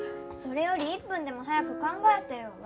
それより１分でも早く考えてよ